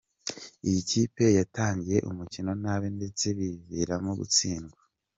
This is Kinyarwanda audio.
Iyi kipe yatangiye umukino nabi ndetse biyiviramo gutsindwa.